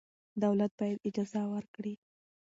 دولت باید اجازه ورکړي.